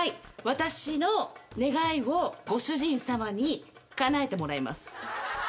私の願いをご主人さまにかなえてもらいます。